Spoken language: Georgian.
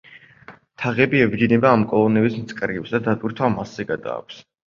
თაღები ებჯინება ამ კოლონების მწკრივს და დატვირთვა მასზე გადააქვს.